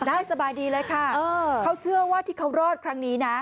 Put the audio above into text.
ได้สบายดีเลยค่ะเขาเชื่อว่าที่เขารอดครั้งนี้นะ